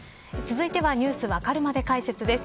続いてはＮｅｗｓわかるまで解説です。